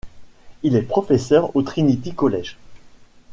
Il est professeur au Trinity College.